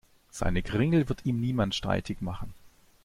Seine Kringel wird ihm niemand streitig machen.